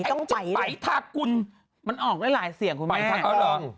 ต้องปัยเลยปัยทากุลมันออกได้หลายเสียงคุณแม่ปัยทากอง